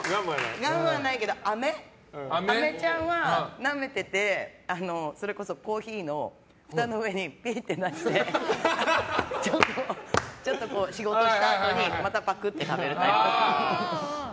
ガムはないけどあめちゃんはなめててそれこそ、コーヒーのふたの上にピッとやってちょっとこう、仕事をしたあとにまたパクって食べるタイプ。